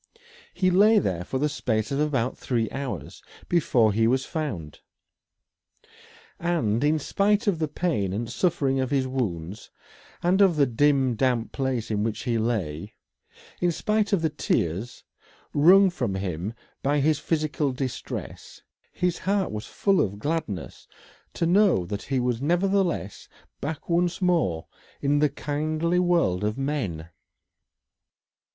He lay there for the space of about three hours before he was found. And in spite of the pain and suffering of his wounds, and of the dim damp place in which he lay; in spite of the tears wrung from him by his physical distress his heart was full of gladness to know that he was nevertheless back once more in the kindly world of men.